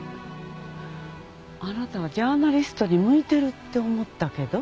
あなたはジャーナリストに向いてるって思ったけど。